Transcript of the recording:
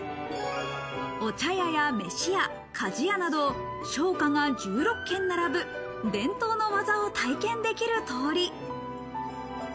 お茶屋やめし屋、鍛冶屋など商家が１６軒並ぶ伝統の技を体験できる通り。